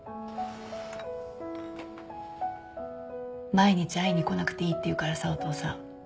毎日会いに来なくていいって言うからさお父さん。